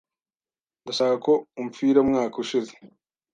ndashaka ko umpfiraUmwaka ushize